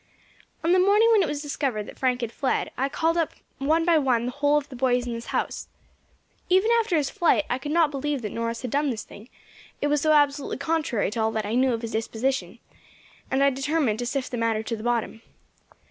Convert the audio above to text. "On the morning when it was discovered that Frank had fled, I called up one by one the whole of the boys in the house. Even after his flight I could not believe that Norris had done this thing, it was so absolutely contrary to all that I knew of his disposition, and I determined to sift the matter to the bottom.